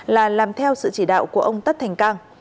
là làm theo sự chỉ đạo của ông tất thành cang